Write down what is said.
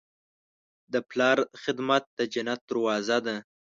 د پلار خدمت د جنت دروازه ده.